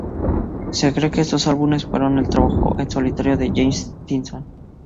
Se cree que estos álbumes fueron el trabajo en solitario de James Stinson.